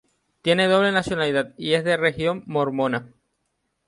Tiene doble nacionalidad y es de religión mormona.